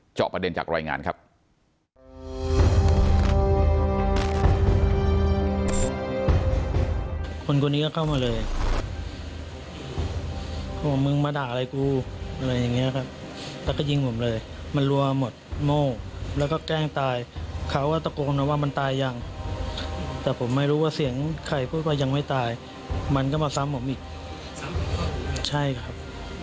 เจาะประเด็นจากรายงานครับ